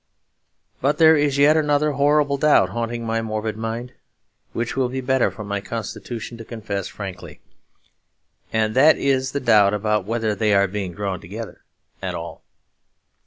But there is yet another horrible doubt haunting my morbid mind, which it will be better for my constitution to confess frankly. And that is the doubt about whether they are being drawn together at all.